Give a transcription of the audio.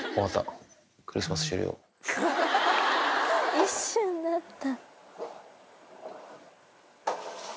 一瞬だった。